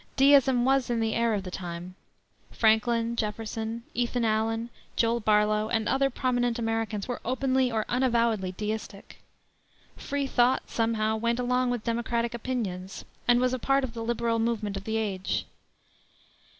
Deism was in the air of the time; Franklin, Jefferson, Ethan Alien, Joel Barlow, and other prominent Americans were openly or unavowedly deistic. Free thought, somehow, went along with democratic opinions, and was a part of the liberal movement of the age.